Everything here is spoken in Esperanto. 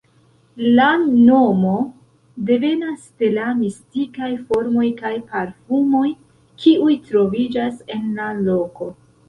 La nomo devenas de la mistikaj formoj kaj parfumoj kiuj troviĝas en la loko.